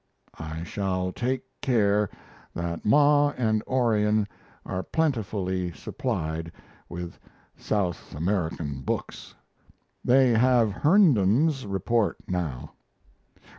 I shall take care that Ma and Orion are plentifully supplied with South American books: They have Herndon's report now.